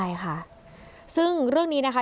ใช่ค่ะซึ่งเรื่องนี้นะคะ